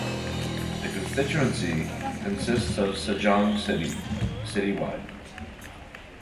The constituency consists of Sejong City (citywide).